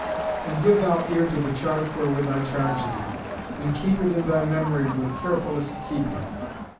And give thou ear to the charge wherewith I charge thee; and keep it in thy memory with carefullest keeping."